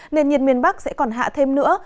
nền nhiệt miền bắc sẽ còn hạ thêm nữa